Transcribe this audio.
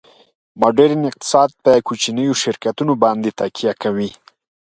ماډرن اقتصاد په کوچنیو شرکتونو باندې تکیه کوي